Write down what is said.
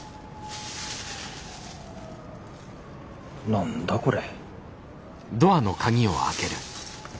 何だこれ？